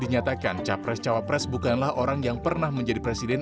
nyatakan cawa pres bukanlah orang yang pernah menjadi presiden